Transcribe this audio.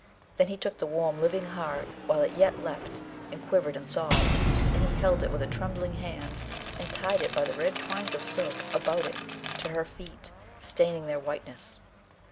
Then he took the warm living heart while it yet leapt and quivered and sobbed; and he held it with a trembling hand, and tied it by the red twines of silk about it to her feet, staining their whiteness.